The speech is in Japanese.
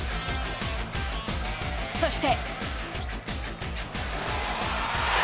そして。